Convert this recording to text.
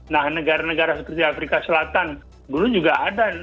karena negara negara seperti afrika selatan dulu juga ada